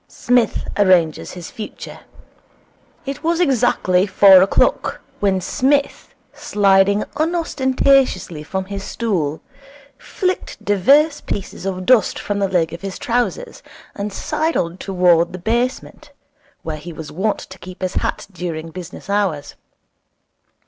Psmith Arranges his Future It was exactly four o'clock when Psmith, sliding unostentatiously from his stool, flicked divers pieces of dust from the leg of his trousers, and sidled towards the basement, where he was wont to keep his hat during business hours.